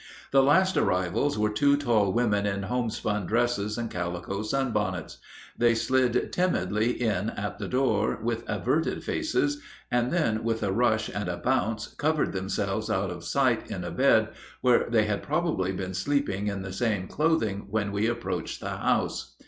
The last arrivals were two tall women in homespun dresses and calico sunbonnets. They slid timidly in at the door, with averted faces, and then with a rush and a bounce covered themselves out of sight in a bed, where they had probably been sleeping in the same clothing when we approached the house.